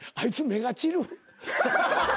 目が散る。